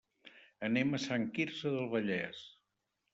Anem a Sant Quirze del Vallès.